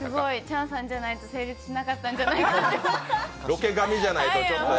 チャンさんじゃないと成立しなかったんじゃないかな。